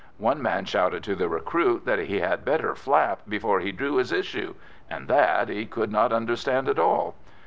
One man shouted to the recruit that he had "better flap before he drew his issue," and that he could not understand at all.